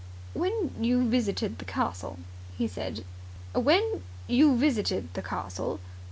"When you visited the castle," he said, "when you visited the castle